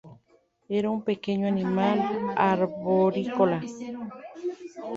Era un pequeño animal arborícola.